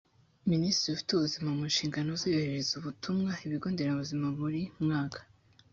minisitiri ufite ubuzima mu nshingano ze yoherereza ubutumwa ibigonderabuzima buri mwaka.